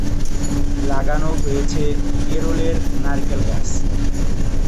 লাগানো হয়ে ছে কেরলের নারকেল গাছ।